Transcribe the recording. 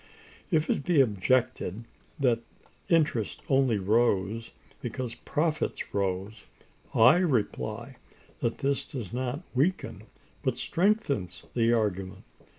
If it be objected that interest only rose because profits rose, I reply that this does not weaken, but strengthens, the argument.